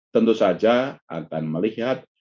tentu saja akan melihat